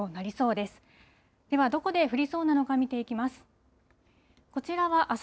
では、どこで降りそうなのか、見ていきます。